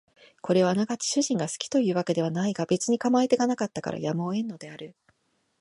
これはあながち主人が好きという訳ではないが別に構い手がなかったからやむを得んのである